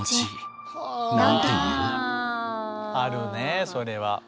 あるねそれは。